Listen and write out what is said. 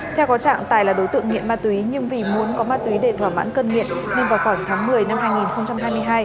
theo có trạng tài là đối tượng nghiện ma túy nhưng vì muốn có ma túy để thỏa mãn cân nghiện nên vào khoảng tháng một mươi năm hai nghìn hai mươi hai